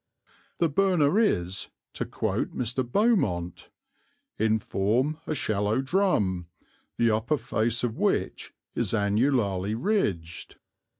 The burner is, to quote Mr. Beaumont, "in form a shallow drum, the upper face of which is annularly ridged.